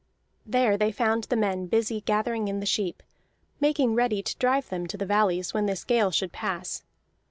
There they found the men busy gathering in the sheep, making ready to drive them to the valleys when this gale should pass.